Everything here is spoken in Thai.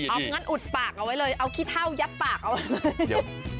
เอางั้นอุดปากเอาไว้เลยเอาขี้เท่ายัดปากเอาไว้เลย